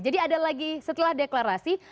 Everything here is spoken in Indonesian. jadi ada lagi setelah deklarasi